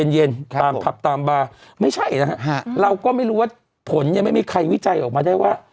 ตามผับตามบาร์ไม่ใช่นะฮะเราก็ไม่รู้ว่าผลยังไม่มีใครวิจัยออกมาได้ว่า